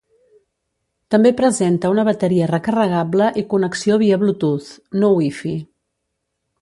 També presenta una bateria recarregable i connexió via Bluetooth, no Wi-Fi.